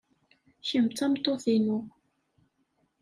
Kemm d tameṭṭut-inu.